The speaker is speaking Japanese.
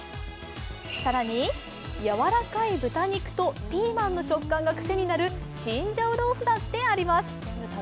更にやわらかい豚肉とピーマンの食感がクセになるチンジャオロースーだってあります。